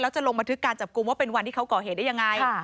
จะลงบันทึกการจับกลุ่มว่าเป็นวันที่เขาก่อเหตุได้ยังไง